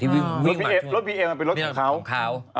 รถพีเอมันเป็นรถของเขา